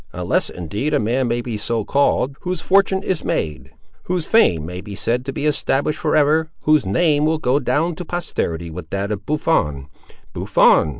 Unless, indeed, a man may be so called, whose fortune is made, whose fame may be said to be established for ever, whose name will go down to posterity with that of Buffon—Buffon!